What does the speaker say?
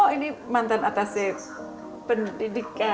oh ini mantan atas pendidikan